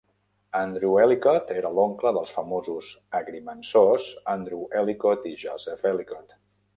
Andrew Ellicott era l'oncle dels famosos agrimensors Andrew Ellicott i Joseph Ellicott.